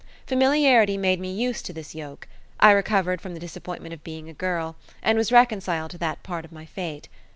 Familiarity made me used to this yoke; I recovered from the disappointment of being a girl, and was reconciled to that part of my fate.